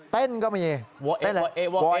เต้นก็มีเต้นอะไรเต้นอะไร